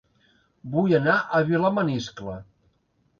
Vull anar a Vilamaniscle